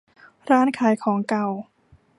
ร้านขายของเก่า